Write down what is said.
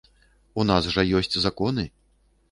У нас жа ёсць законы.